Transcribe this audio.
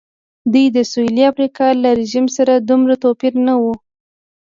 دوی د سوېلي افریقا له رژیم سره دومره توپیر نه و.